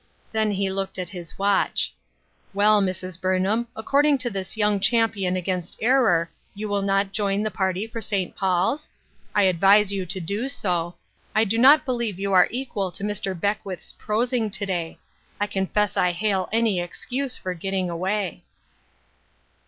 Then he looked at his watch. " Well, Mrs. Burnham, according to this young champion against error, you will not join the party for St. Paul's? I advise you to do so ; I do not believe you are equal to Mr. Beckwith's prosing to day. I confess I hail any excuse for getting away."